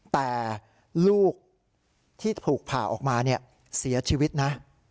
แต่ลูกที่ถูกผ่าออกมาเนี่ยเสียชีวิตนะ